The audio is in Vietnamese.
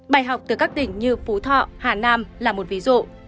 bài học từ các tỉnh như phú thọ hà nam là một ví dụ